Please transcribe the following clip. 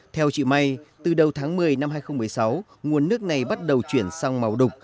theo chị may từ đầu tháng một mươi năm hai nghìn một mươi sáu nguồn nước này bắt đầu chuyển sang màu đục